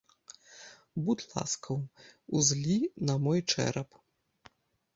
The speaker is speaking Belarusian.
Будзь ласкаў, узлі на мой чэрап.